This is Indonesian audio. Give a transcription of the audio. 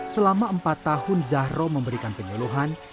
selama empat tahun zahro memberikan penyuluhan